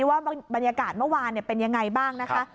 ว่าบรรยากาศเมื่อวานเป็นยังไงบ้างนะคะ